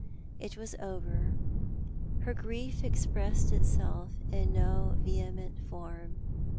It was over. Her grief expressed itself in no vehcraeut form.